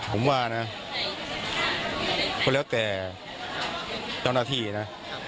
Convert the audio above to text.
ผมว่านะก็แล้วแต่เจ้าหน้าที่นะ